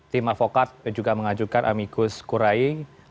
tim avocat juga mengajukan amicus kurai